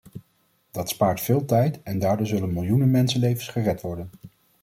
Dat spaart veel tijd en daardoor zullen miljoenen mensenlevens gered worden..